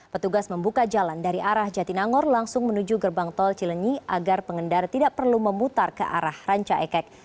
petugas membuka jalan dari arah jatinangor langsung menuju gerbang tol cilenyi agar pengendara tidak perlu memutar ke arah ranca ekek